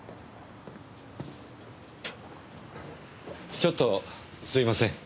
ちょっとすいません。